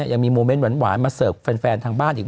ยังมีโมเมนต์หวานมาเสิร์ฟแฟนทางบ้านอีก